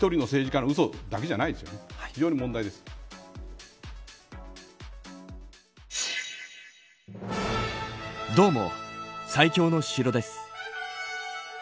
非常に問題です。